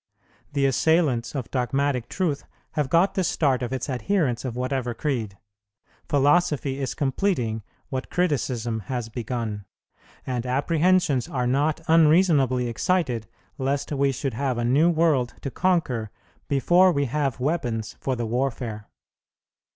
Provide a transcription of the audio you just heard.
The assailants of dogmatic truth have got the start of its adherents of whatever Creed; philosophy is completing what criticism has begun; and apprehensions are not unreasonably excited lest we should have a new world to conquer before we have weapons for the warfare.